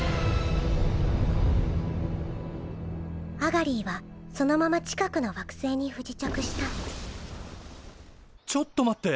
アガリィはそのまま近くの惑星に不時着したちょっと待って！